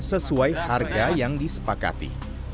sesuai harga yang disepakati